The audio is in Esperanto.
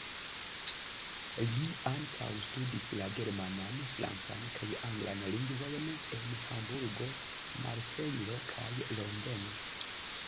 Li ankaŭ studis la germanan, francan kaj anglan lingvojn en Hamburgo, Marsejlo kaj Londono.